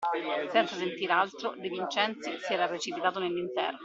Senza sentir altro, De Vincenzi si era precipitato nell'interno